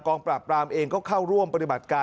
ปราบปรามเองก็เข้าร่วมปฏิบัติการ